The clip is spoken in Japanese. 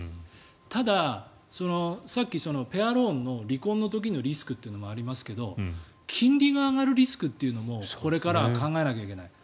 ただ、さっきペアローンの離婚の時のリスクというのもありますが金利が上がるリスクというのもこれからは考えないといけない。